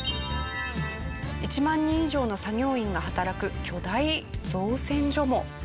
１万人以上の作業員が働く巨大造船所も。